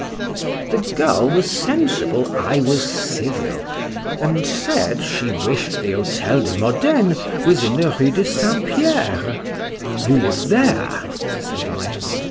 The girl was sensible I was civil—and said, she wished the Hotel de Modene was in the Rue de St. Pierre.—You live there? said I.